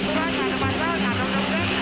jadi ditilang emang salah